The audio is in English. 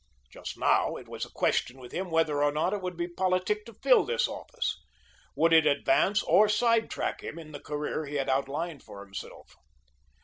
Just now, it was a question with him whether or not it would be politic to fill this office. Would it advance or sidetrack him in the career he had outlined for himself?